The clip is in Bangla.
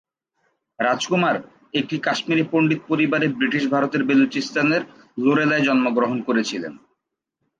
রাজ কুমার একটি কাশ্মীরি পণ্ডিত পরিবারে ব্রিটিশ ভারতের বেলুচিস্তানের লোরেলায় জন্মগ্রহণ করেছিলেন।